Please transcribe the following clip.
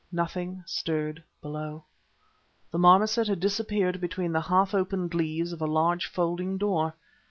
Nothing stirred below. The marmoset had disappeared between the half opened leaves of a large folding door.